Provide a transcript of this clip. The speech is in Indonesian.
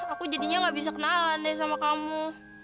aku jadinya gak bisa kenalan deh sama kamu